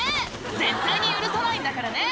絶対に許さないんだからね！」